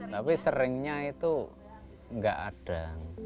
tapi seringnya itu nggak ada